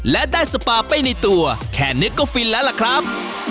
และได้สปาไปในตัวแค่นี้ก็ฟินแล้วล่ะครับ